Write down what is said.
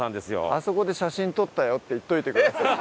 「あそこで写真撮ったよって言っといてください」。